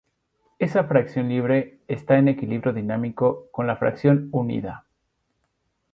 Esa fracción libre está en equilibrio dinámico con la fracción unida.